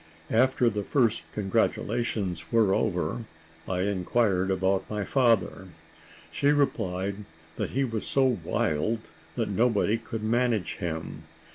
After the first congratulations were over, I inquired about my father; she replied, that he was so wild that nobody could manage him.